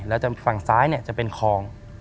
แล้วฝั่งซ้ายจะเป็นคลอง